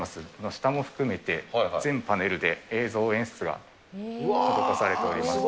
下も含めて全パネルで映像演出が施されております。